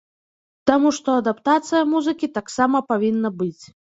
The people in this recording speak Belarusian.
Таму што адаптацыя музыкі таксама павінна быць.